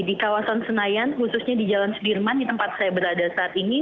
di kawasan senayan khususnya di jalan sudirman di tempat saya berada saat ini